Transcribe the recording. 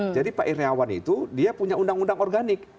jadi pak irrawan itu dia punya undang undang organik